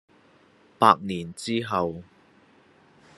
百年之後